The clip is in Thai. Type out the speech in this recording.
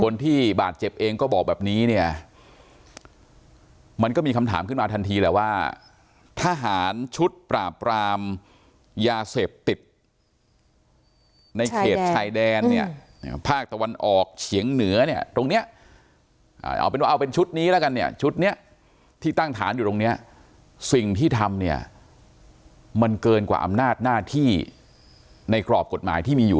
คนที่บาดเจ็บเองก็บอกแบบนี้เนี่ยมันก็มีคำถามขึ้นมาทันทีแหละว่าทหารชุดปราบรามยาเสพติดในเขตชายแดนเนี่ยภาคตะวันออกเฉียงเหนือเนี่ยตรงเนี้ยเอาเป็นว่าเอาเป็นชุดนี้แล้วกันเนี่ยชุดนี้ที่ตั้งฐานอยู่ตรงเนี้ยสิ่งที่ทำเนี่ยมันเกินกว่าอำนาจหน้าที่ในกรอบกฎหมายที่มีอยู่